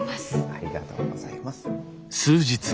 ありがとうございます。